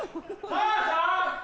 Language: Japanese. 母さん！